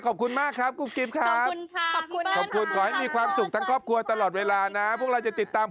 ขอบคุณมากสำหรับการให้สัมภาษณ์สดกับเรานะฮะ